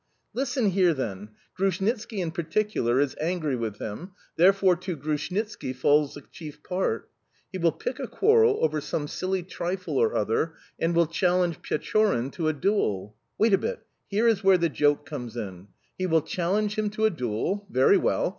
"Listen here, then: Grushnitski in particular is angry with him therefore to Grushnitski falls the chief part. He will pick a quarrel over some silly trifle or other, and will challenge Pechorin to a duel... Wait a bit; here is where the joke comes in... He will challenge him to a duel; very well!